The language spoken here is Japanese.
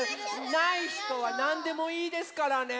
ないひとはなんでもいいですからね。